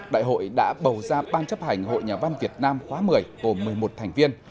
đại hội đã bầu ra ban chấp hành hội nhà văn việt nam khóa một mươi gồm một mươi một thành viên